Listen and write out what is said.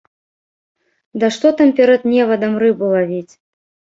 Да што там перад невадам рыбу лавіць!